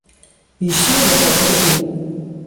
بیشتر بهخاطر او